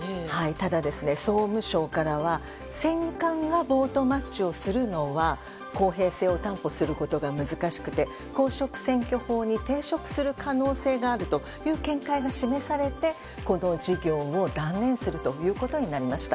ただ総務省からは選管がボートマッチをするのは公平性を担保することが難しくて公職選挙法に抵触する可能性があるという見解が示されて、この事業を断念するということになりました。